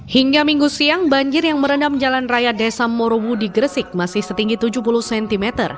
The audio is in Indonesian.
hingga minggu siang banjir yang merendam jalan raya desa morowu di gresik masih setinggi tujuh puluh cm